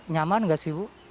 nyaman nggak sih bu